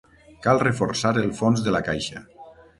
Cal reforçar el fons de la caixa.